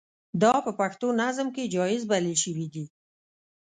دا په پښتو نظم کې جائز بلل شوي دي.